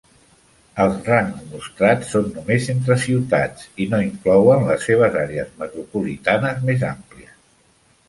Els rangs mostrats són només entre ciutats i no inclouen les seves àrees metropolitanes més àmplies.